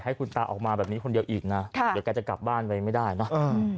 ให้คุณตาออกมาแบบนี้คนเดียวอีกนะค่ะเดี๋ยวแกจะกลับบ้านไปไม่ได้เนอะ